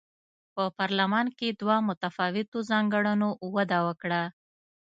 په پارلمان کې دوه متفاوتو ځانګړنو وده وکړه.